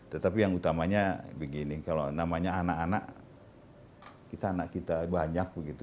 tetapi yang utamanya begini kalau namanya anak anak kita anak kita banyak begitu